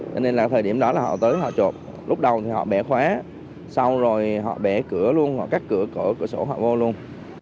cho nên là thời điểm đó là họ tới họ chuột lúc đầu thì họ bẻ khóa xong rồi họ bẻ cửa luôn họ cắt cửa cửa cửa cửa sổ họ vô luôn